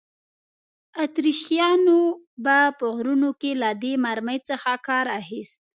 اتریشیانو به په غرونو کې له دې مرمۍ څخه کار اخیست.